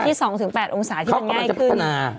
ที่๒๘องศาที่มันง่ายขึ้น